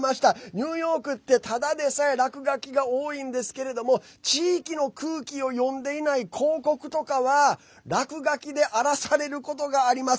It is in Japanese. ニューヨークって、ただでさえ落書きが多いんですけど地域の空気を読んでいない広告とかは落書きで荒らされることがあります。